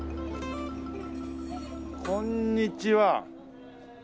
こんにちは。